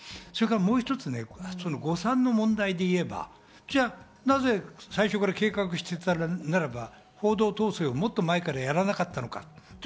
もう一つ、誤算の問題で言えば最初から計画していたならば、報道統制をもっと前からやらなかったのか。